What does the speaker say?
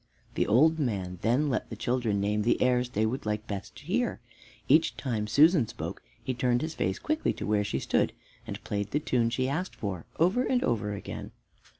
The old man then let the children name the airs they would like best to hear. Each, time Susan spoke, he turned his face quickly to where she stood, and played the tune she asked for over and over again.